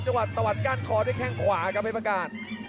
ธุรกิจตะวันกางคอด้วยแข่งขวาครับเพจประกาศ